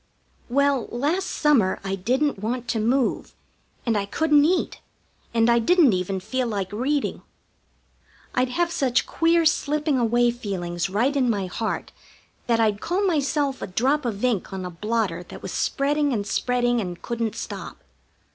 Well, last summer I didn't want to move, and I couldn't eat, and I didn't even feel like reading. I'd have such queer slipping away feelings right in my heart that I'd call myself a drop of ink on a blotter that was spreading and spreading and couldn't stop.